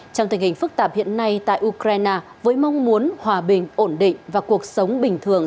trong tình hình phức tạp hiện nay tại ukraine với mong muốn hòa bình ổn định và cuộc sống bình thường